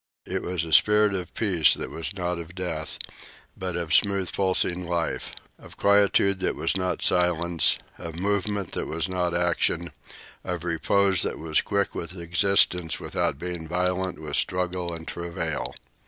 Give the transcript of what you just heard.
It was a spirit of peace that was not of death, but of smooth pulsing life, of quietude that was not silence, of movement that was not action, of repose that was quick with existence without being violent with struggle and travail.